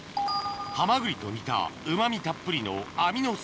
ハマグリと似たうま味たっぷりのアミノ酸